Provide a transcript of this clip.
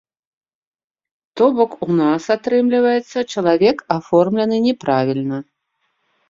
То бок у нас, атрымліваецца, чалавек аформлены няправільна.